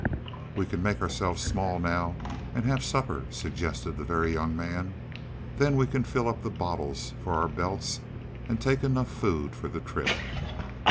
"We can make ourselves small now and have supper," suggested the Very Young Man. "Then we can fill up the bottles for our belts and take enough food for the trip."